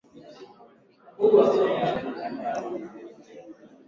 Daisy inabidi twende kwa daktari ili akupangie siku ya upasuajialisema Juliana